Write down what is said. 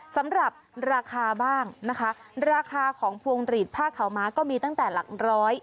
สำหรับราคาบ้างนะคะราคาของพวงหลีดผ้าขาวม้าก็มีตั้งแต่หลักร้อย